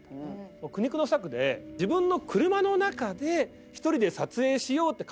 もう苦肉の策で自分の車の中で１人で撮影しようって考えついたんです。